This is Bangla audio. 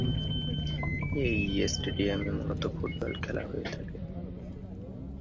এই স্টেডিয়ামে মূলত ফুটবল খেলা হয়ে থাকে।